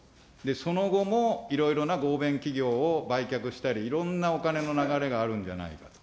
その後もいろいろな合弁企業を売却したり、いろんなお金の流れがあるんじゃないか。